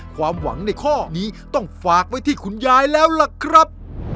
ความหวังในข้อนี้ต้องฝากไว้ที่คุณยายแล้วล่ะครับ